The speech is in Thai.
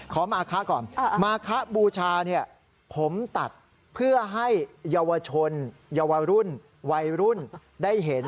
ขอมาขาก่อนมาขบูชาผมตัดเพื่อให้เยาวชนเยาวรุ่นวัยรุ่นได้เห็น